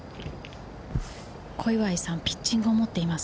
小祝さん、ピッチングを持っています。